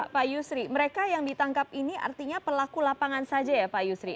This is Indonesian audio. pak yusri mereka yang ditangkap ini artinya pelaku lapangan saja ya pak yusri